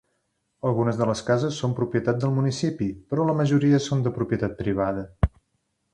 Algunes de les cases són propietat del municipi, però la majoria són de propietat privada.